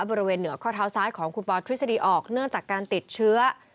บริเวณเหนือข้อเท้าซ้ายของคุณปอทฤษฎีออกเนื่องจากการติดเชื้อ